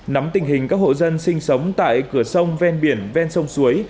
nắm tình hình các hộ dân sinh sống tại cửa sông ven biển ven sông suối